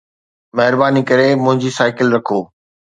مهرباني ڪري منهنجي سائيڪل رکو